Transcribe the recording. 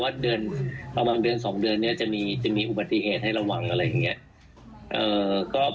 ว่าเดือนประมาณเดือน๒เดือนเนี่ยจะมีอุบัติ๑๒๐ให้ระวังอะไรอย่างเนี่ย